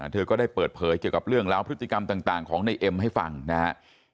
เธอก็ได้เปิดเผยเกี่ยวกับเรื่องราวพฤติกรรมต่างของในเอ็มให้ฟังนะครับ